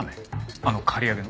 あの刈り上げの？